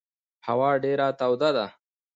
هوا ډېره توده ده.